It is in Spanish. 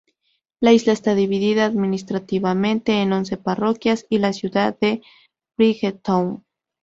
La isla está dividida administrativamente en once parroquias y la ciudad de Bridgetown.